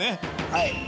はい。